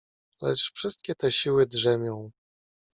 "Lecz wszystkie te siły „drzemią“."